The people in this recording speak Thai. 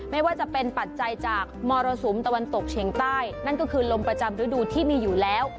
ไม่ว่าจะเป็นปัจจัยจากมรสุมตะวันตกเฉียงใต้นั่นก็คือลมประจำฤดูที่มีอยู่แล้ว